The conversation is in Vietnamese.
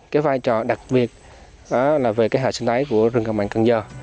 cái vai trò đặc biệt là về hệ sinh thái của rừng mặn cần giờ